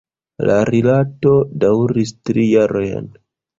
La rilato daŭris tri jarojn.